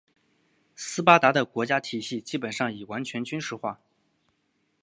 斯巴达的国家体系基本上已完全军事化。